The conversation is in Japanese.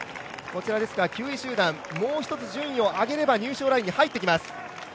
９位集団、もう一つ順位を上げれば入賞ラインに入ってきます。